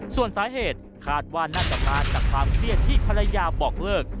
ส่วนสาเหตุคาดว่าน่าจะมาจากความเครียดที่ภรรยาบอกเลิก